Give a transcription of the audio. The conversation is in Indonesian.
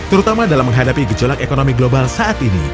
terutama dalam menghadapi gejolak ekonomi global saat ini